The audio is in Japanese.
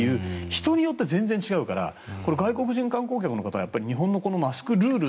人によって違うから外国人観光客の方は日本のマスクルール。